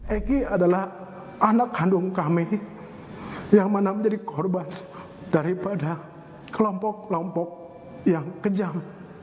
egy adalah anak kandung kami yang mana menjadi korban daripada kelompok kelompok yang kejam